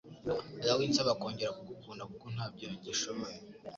Hoya winsaba kongera kugukunda kuko ntabyo nkishoboye